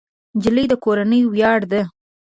نجلۍ د کورنۍ ویاړ ده.